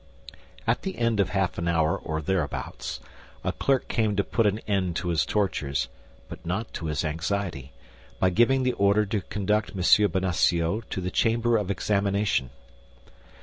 At the end of half an hour or thereabouts, a clerk came to put an end to his tortures, but not to his anxiety, by giving the order to conduct M. Bonacieux to the Chamber of Examination.